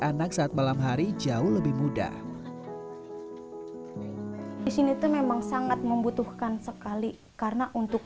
anak saat malam hari jauh lebih mudah di sini tuh memang sangat membutuhkan sekali karena untuk